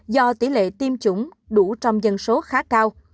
do tỷ lệ tiêm chủng đủ trong dân số khá cao